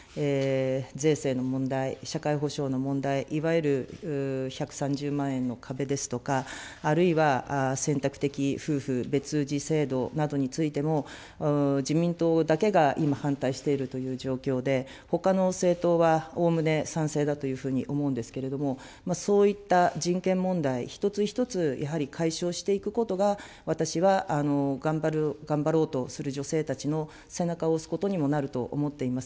税制の問題、社会保障の問題、いわゆる１３０万円の壁ですとか、あるいは選択的夫婦別氏制度などについても、自民党だけが今、反対しているという状況で、ほかの政党はおおむね賛成だというふうに思うんですけれども、そういった人権問題、一つ一つやはり解消していくことが、私は頑張ろうとする女性たちの背中を押すことにもなると思っています。